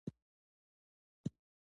تالک د کاغذ او رنګ په جوړولو کې کاریږي.